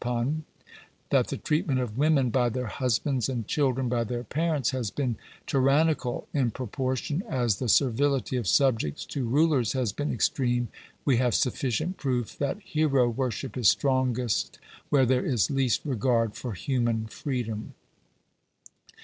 161 and 178), that the treatment of women by their husbands, and children by their parents, has been tyranni cal in proportion as the servility of subjects to rulers has been extreme, we have sufficient proof that hero worship is strongest where there is least regard for human freedom.